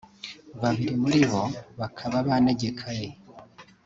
babiri muribo bakaba banegekanye